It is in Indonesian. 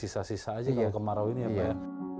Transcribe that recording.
sisa sisa saja kalau kemarau ini ya pak